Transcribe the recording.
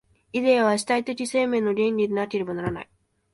イデヤは主体的生命の原理でなければならない。